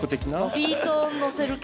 ビートを乗せる系？